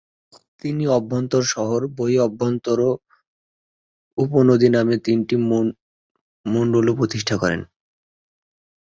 তিনি অভ্যন্তরীণ শহর, বহিঃশহর ও উপনদী নামে তিনটি মন্ডলও প্রতিষ্ঠা করেন।